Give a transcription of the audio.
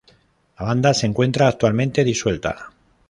La banda se encuentra actualmente disuelta.